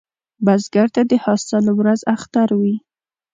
بزګر ته د حاصل ورځ اختر وي